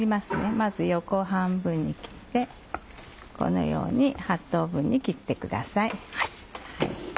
まず横半分に切ってこのように８等分に切ってください。